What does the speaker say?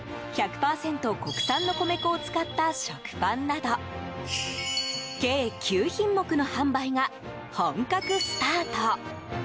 国産の米粉を使った食パンなど計９品目の販売が本格スタート。